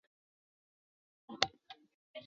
我不敢跨过